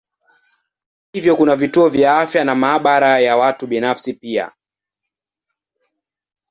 Hata hivyo kuna vituo vya afya na maabara ya watu binafsi pia.